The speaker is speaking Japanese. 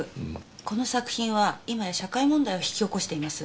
この作品は今や社会問題を引き起こしています。